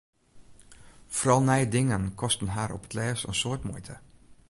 Foaral nije dingen kosten har op 't lêst in soad muoite.